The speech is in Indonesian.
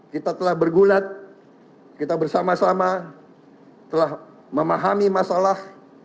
kita telah bergulat kita bersama sama telah memahami masalah